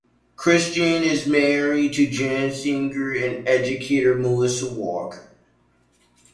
Christian is married to jazz singer and educator Melissa Walker.